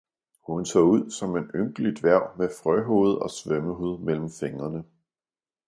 hun saae ud som en ynkelig Dværg med Frø-Hoved og Svømmehud mellem Fingrene.